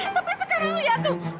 tapi sekarang lihat tuh